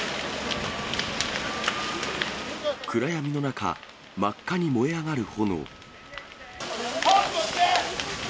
暗闇の中、真っ赤に燃え上がる炎。